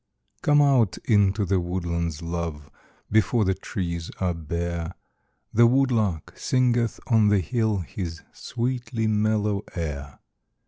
COME out into the woodlands, love, Before the trees are bare ; The woodlark singeth on the hill His sweetly mellow air.